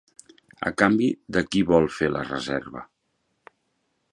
A canvi de qui vol fer la reserva?